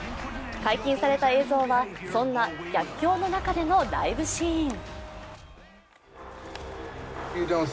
解禁された映像は、そんな逆境の中でのライブシーン。